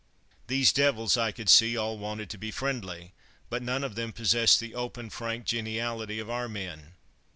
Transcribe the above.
These devils, I could see, all wanted to be friendly; but none of them possessed the open, frank geniality of our men.